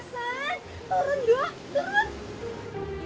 hasan turun dong turun